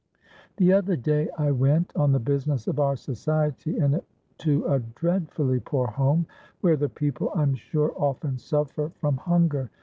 The other day I went, on the business of our society, into a dreadfully poor home, where the people, I'm sure, often suffer from hunger.